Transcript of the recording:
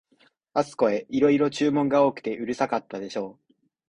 あすこへ、いろいろ注文が多くてうるさかったでしょう、